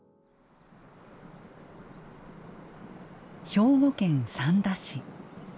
兵庫県三田市。